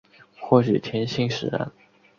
或许天性使然